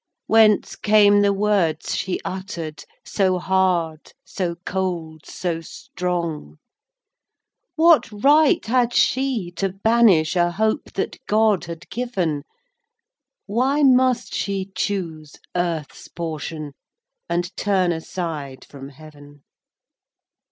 Whence came the words she utter'd, So hard, so cold, so strong? What right had she to banish A hope that God had given? Why must she choose earth's portion, And turn aside from Heaven?